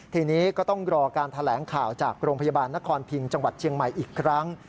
ทีนี้ก็ต้องรอการแถลงข่าวจากโรงพยาบาลนครพิงจังหวัดเชียงใหม่อีกครั้ง